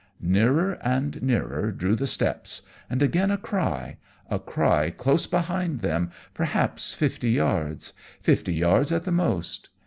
Nearer and nearer drew the steps, and again a cry a cry close behind them, perhaps fifty yards fifty yards at the most.